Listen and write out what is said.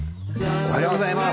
おはようございます。